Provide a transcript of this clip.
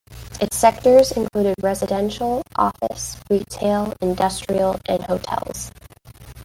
Its sectors include residential, office, retail, industrial, and hotels.